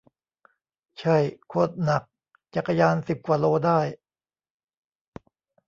ใช่ โคตรหนัก จักรยาน สิบกว่าโลได้